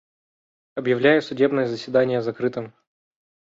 Объявляю судебное заседание закрытым.